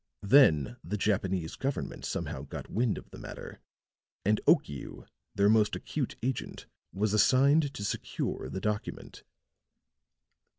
"Then the Japanese government somehow got wind of the matter; and Okiu, their most acute agent, was assigned to secure the document.